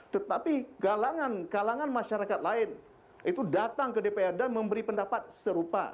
tetapi kalangan kalangan masyarakat lain itu datang ke dpr dan memberi pendapat serupa